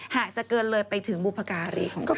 หากจะเกินเลยไปถึงบุพการีของเขา